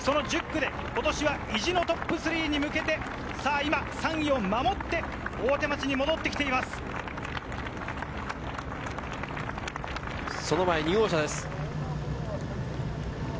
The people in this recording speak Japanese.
１０区で今年は意地のトップ３に向けて３位を守って大手町に戻っ２号車です。